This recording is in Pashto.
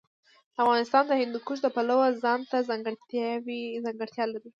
افغانستان د هندوکش د پلوه ځانته ځانګړتیا لري.